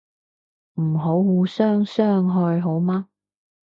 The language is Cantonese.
唔好互相傷害好嗎